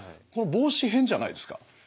この帽子変じゃないですか？